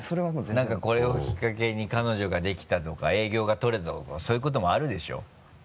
何かこれをきっかけに彼女ができたとか営業が取れたとかそういうこともあるでしょう？